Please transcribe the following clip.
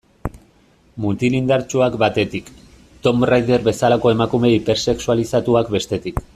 Mutil indartsuak batetik, Tomb Raider bezalako emakume hipersexualizatuak bestetik.